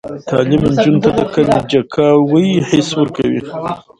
تعلیم نجونو ته د کنجکاوۍ حس ورکوي.